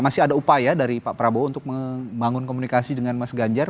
masih ada upaya dari pak prabowo untuk membangun komunikasi dengan mas ganjar